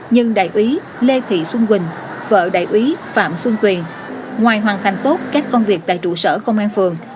nhưng đại úy lê thị xuân quỳnh vợ đại úy phạm xuân quyền ngoài hoàn thành tốt các công việc tại trụ sở công an phường